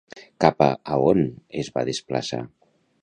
Cap a on es desplaça?